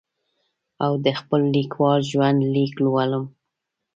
او د خپل لیکوال ژوند لیک لولم.